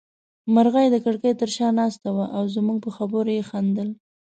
مرغۍ د کړکۍ تر شا ناسته وه او زموږ په خبرو يې خندل.